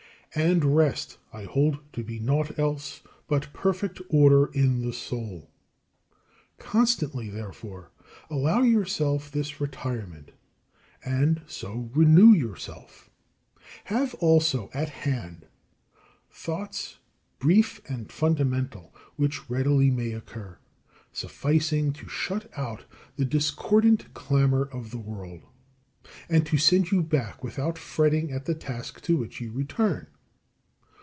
And rest I hold to be naught else but perfect order in the soul. Constantly, therefore, allow yourself this retirement, and so renew yourself. Have also at hand thoughts brief and fundamental, which readily may occur; sufficing to shut out the discordant clamour of the world, and to send you back without fretting at the task to which you return.